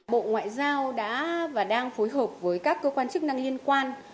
bộ ngoại giao đã và đang phối hợp với các cơ quan chức năng liên quan